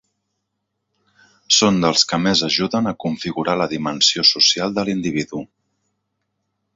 Són dels que més ajuden a configurar la dimensió social de l’individu.